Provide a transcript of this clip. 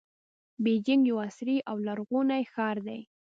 بیجینګ یو عصري او لرغونی ښار دی.